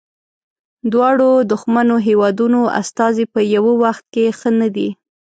دواړو دښمنو هیوادونو استازي په یوه وخت کې ښه نه دي.